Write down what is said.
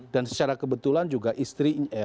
dan secara kebetulan juga istri